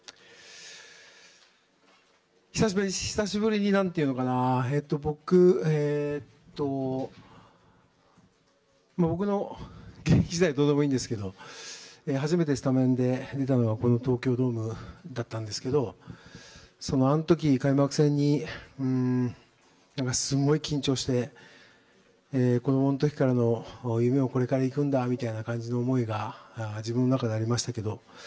久しぶりに僕の現役時代はどうでもいいんですが初めてスタメンで出たのがこの東京ドームだったんですがあの時、開幕戦にすごい緊張して子供の時からの夢をこれから行くんだみたいな思いが自分の中でありましたけれども。